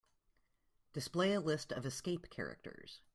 Display a list of escape characters.